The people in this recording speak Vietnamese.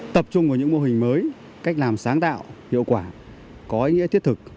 tập trung vào những mô hình mới cách làm sáng tạo hiệu quả có ý nghĩa thiết thực